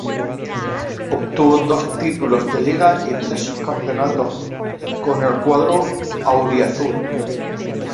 Obtuvo dos títulos de liga y tres subcampeonatos con el cuadro auriazul.